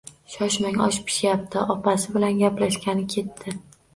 — Shoshmang, osh pishyapti. Opasi bilan gaplashgani ketdi!